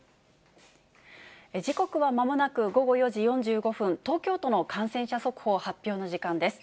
時刻はまもなく午後４時４５分、東京都の感染者速報発表の時間です。